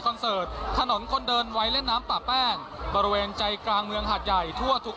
เสิร์ตถนนคนเดินไว้เล่นน้ำป่าแป้งบริเวณใจกลางเมืองหาดใหญ่ทั่วทุก